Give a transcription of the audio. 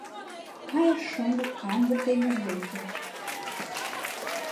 Кайыш шоҥго канде теҥыз деке;